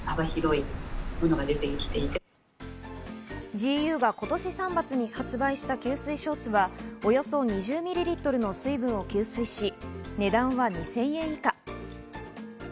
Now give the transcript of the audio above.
ＧＵが今年３月に発売した吸水ショーツはおよそ２０ミリリットルの水分を吸水し、値段は２０００円以下。